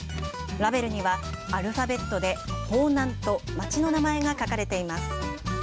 ラベルには、アルファベットでＨＯＮＡＮと、町の名前が書かれています。